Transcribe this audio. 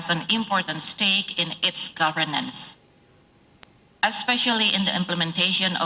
setiap orang di sini memiliki tanggung jawab yang penting dalam pemerintahnya